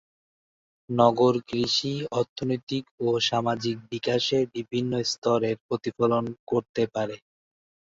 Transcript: নগর কৃষি অর্থনৈতিক ও সামাজিক বিকাশের বিভিন্ন স্তরের প্রতিফলন করতে পারে।